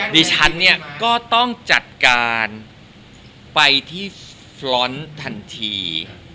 ดิฉันเนี่ยก็ต้องจัดการไปที่ฟรอนซ์ทันที